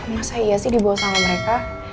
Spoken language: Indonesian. masa iya sih dibawa sama mereka